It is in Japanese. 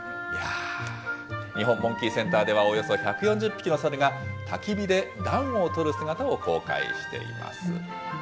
日本モンキーセンターではおよそ１４０匹のサルが、たき火で暖をとる姿を公開しています。